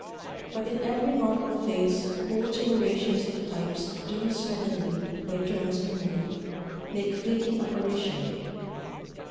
But in every normal face whole generations of types do certainly, by turns of mood, make flitting apparition.